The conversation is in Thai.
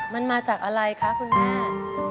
มันมาจากอะไรคะคุณแม่